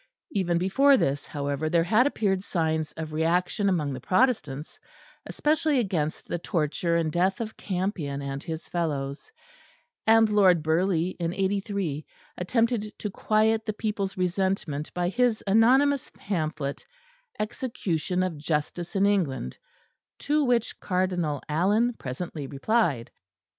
Even before this, however, there had appeared signs of reaction among the Protestants, especially against the torture and death of Campion and his fellows; and Lord Burghley in '83 attempted to quiet the people's resentment by his anonymous pamphlet, "Execution of Justice in England," to which Cardinal Allen presently replied.